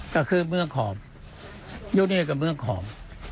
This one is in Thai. ก็คือเมืองขอบยูเนียกับเมืองขอบ